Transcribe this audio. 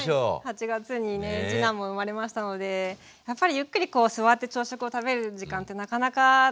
８月にね次男も生まれましたのでやっぱりゆっくりこう座って朝食を食べる時間ってなかなかなくて。